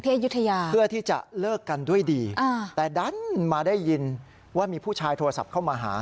อายุทยาเพื่อที่จะเลิกกันด้วยดีอ่าแต่ดันมาได้ยินว่ามีผู้ชายโทรศัพท์เข้ามาหา